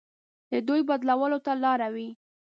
د دوی بدلولو ته لاره وي.